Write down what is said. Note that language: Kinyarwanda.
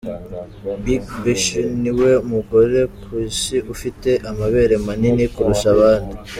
Big Beshine niwe mu gore ku isi ufite amabere manini kurusha abandi.